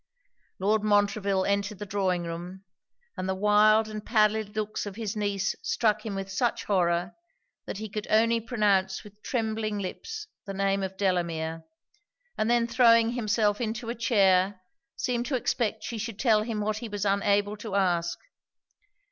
Lord Montreville entered the drawing room; and the wild and pallid looks of his niece struck him with such horror, that he could only pronounce with trembling lips the name of Delamere: and then throwing himself into a chair, seemed to expect she should tell him what he was unable to ask.